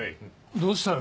どうしたよ？